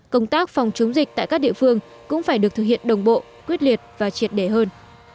công tác phòng chống dịch tại các địa phương cũng phải được thực hiện đồng bộ quyết liệt và triệt đề hơn